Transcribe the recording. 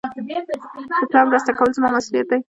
د پلار مرسته کول زما مسئولیت دئ.